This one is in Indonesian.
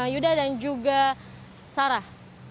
yuda dan juga sarah